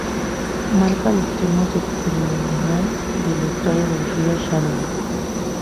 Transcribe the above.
Marca el extremo septentrional del estuario del río Shannon.